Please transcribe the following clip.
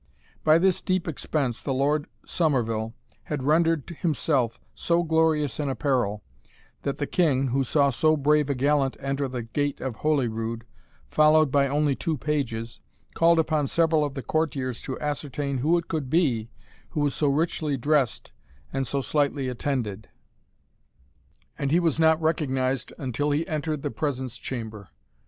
By this deep expense the Lord Somerville had rendered himself so glorious in apparel, that the King, who saw so brave a gallant enter the gate of Holyrood, followed, by only two pages, called upon several of the courtiers to ascertain who it could be who was so richly dressed and so slightly attended, and he was not recognised until he entered the presence chamber.